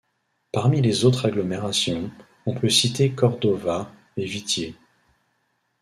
Parmi les autres agglomérations, on peut citer Cordova et Whittier.